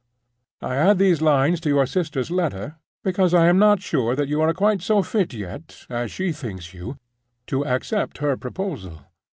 I add these lines to your sister's letter because I am not sure that you are quite so fit yet, as she thinks you, to accept her proposal.